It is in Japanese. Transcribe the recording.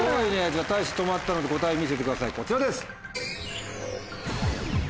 じゃあたいし止まったので答え見せてくださいこちらです。